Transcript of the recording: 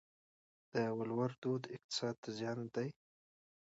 د ولور دود اقتصاد ته زیان دی؟